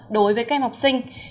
đối với các em học sinh